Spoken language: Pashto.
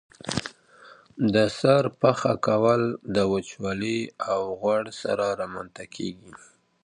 د سر پخه کول د وچوالي او غوړ سره رامنځته کیږي.